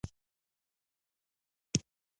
ده ته يې واده وکړ او زه لونډه ګرځم.